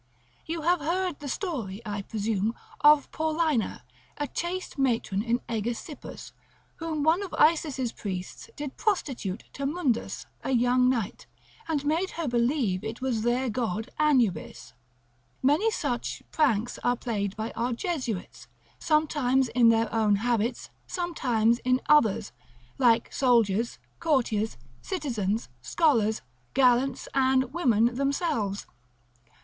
You have heard the story, I presume, of Paulina, a chaste matron in Aegesippus, whom one of Isis's priests did prostitute to Mundus, a young knight, and made her believe it was their god Anubis. Many such pranks are played by our Jesuits, sometimes in their own habits, sometimes in others, like soldiers, courtiers, citizens, scholars, gallants, and women themselves.